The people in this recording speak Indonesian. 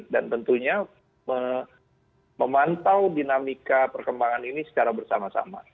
dan tentunya memantau dinamika perkembangan ini secara bersama sama